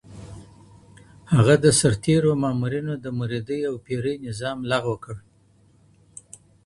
هغه د سرتیرو او مامورینو د مریدۍ او پیرۍ نظام لغو کړ.